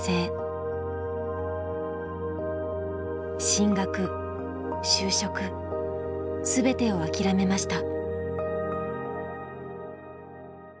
進学就職全てを諦めました。